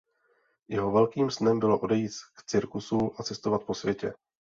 Jeho velkým snem bylo odejít k cirkusu a cestovat po světě.